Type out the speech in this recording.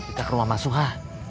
kita ke rumah mas suha